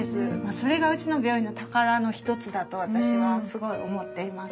それがうちの病院の宝の一つだと私はすごい思っています。